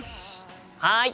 はい！